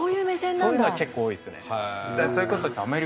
そういうのが結構多いですね。